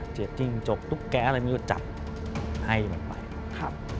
เจรียดจริงจกตุ๊กแกะอะไรงี้หน่อยจับให้มันไป